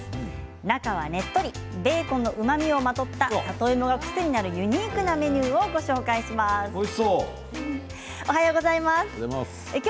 中は、ねっとりベーコンのうまみをまとった里芋が癖になるユニークなメニューをおいしそう。